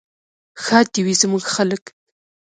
ښاد دې وي زموږ خلک.